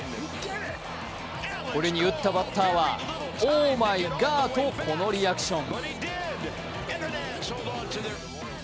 これに、打ったバッターはオーマイガーとこのリアクション。